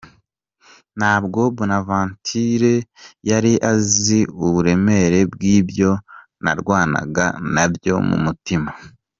Ntabwo Bonaventure yari azi uburemere bw’ibyo narwanaga nabyo mu mutima.